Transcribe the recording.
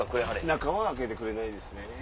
中は開けてくれないですね。